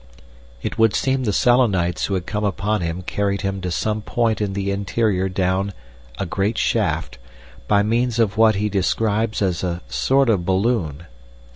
It would seem the Selenites who had come upon him carried him to some point in the interior down "a great shaft" by means of what he describes as "a sort of balloon."